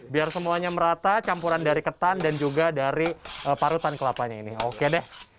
biar semuanya merata campuran dari ketan dan juga dari parutan kelapanya ini oke deh